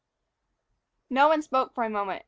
No one spoke for a moment.